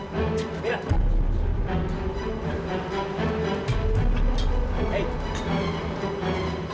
seberada pasti jangan mau